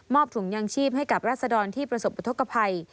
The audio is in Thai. ถุงยางชีพให้กับรัศดรที่ประสบอุทธกภัย